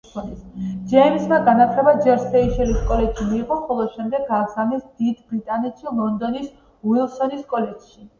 ჯეიმზმა განათლება ჯერ სეიშელის კოლეჯში მიიღო, ხოლო შემდეგ გააგზავნეს დიდ ბრიტანეთში ლონდონის უილსონის კოლეჯში.